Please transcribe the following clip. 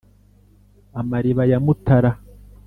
amariba ya mutara